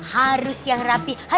harus yang rapih